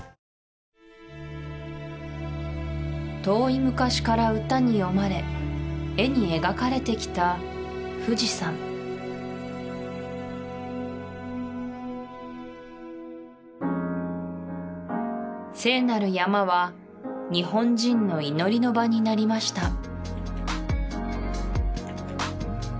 遠い昔から歌に詠まれ絵に描かれてきた富士山聖なる山は日本人の祈りの場になりました